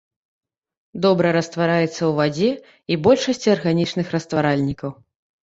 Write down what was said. Добра раствараецца ў вадзе і большасці арганічных растваральнікаў.